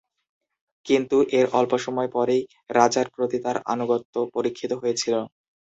কিন্তু, এর অল্পসময় পরেই রাজার প্রতি তার আনুগত্য পরীক্ষিত হয়েছিল।